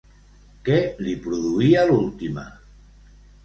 Què li produïa l'última?